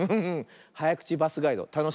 はやくちバスガイドたのしいね。